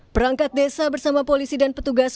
perangkat desa bersama polisi dan petugas